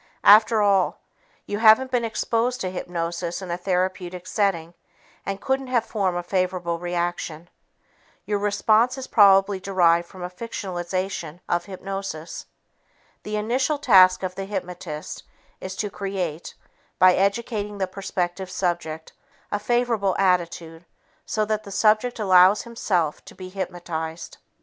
After all, you haven't been exposed to hypnosis in a therapeutic setting and couldn't have formed a favorable reaction. Your response is probably derived from a fictionization of hypnosis. The initial task of the hypnotist is to create, by educating the prospective subject, a favorable attitude so that the subject allows himself to be hypnotized.